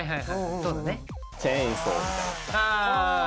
そうだね。